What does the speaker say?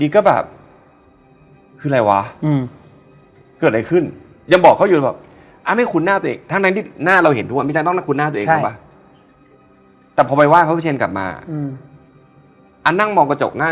ครับแล้วก็อ่ะผ่านผ่านไปจนเขาขึ้นถ้ำกันอ่ะ